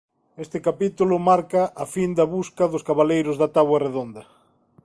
Este capítulo marca a fin da busca dos Cabaleiros da Táboa Redonda.